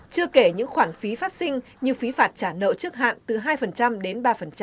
chưa kể những khoản phí phát sinh như phí phạt trả nợ trước hạn từ hai đến ba